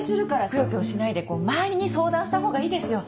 くよくよしないで周りに相談したほうがいいですよ。